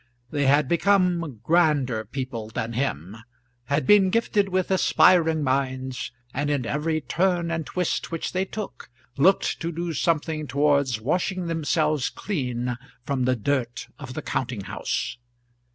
They had become grander people than him, had been gifted with aspiring minds, and in every turn and twist which they took, looked to do something towards washing themselves clean from the dirt of the counting house.